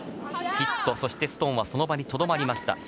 ヒットしてストーンはその場にとどまった。